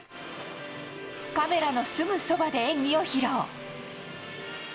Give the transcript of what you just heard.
カメラのすぐそばで演技を披露。